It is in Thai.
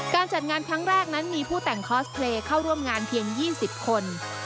จัดงานครั้งแรกนั้นมีผู้แต่งคอสเพลย์เข้าร่วมงานเพียง๒๐คน